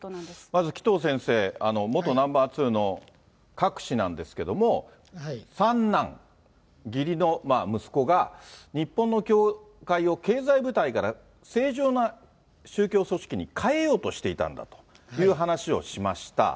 まず紀藤先生、元ナンバー２のクァク氏なんですけれども、三男、義理の息子が日本の教会を経済部隊から正常な宗教組織に変えようとしていたんだという話をしました。